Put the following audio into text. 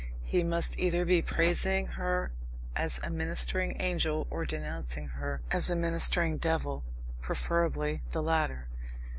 He must either be praising her as a ministering angel or denouncing her as a ministering devil preferably the latter.